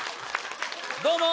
どうも。